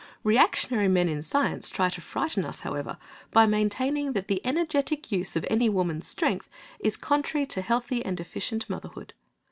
Reactionary men of science try to frighten us, however, by maintaining that the energetic use of any of woman's strength is contrary to healthy and efficient motherhood.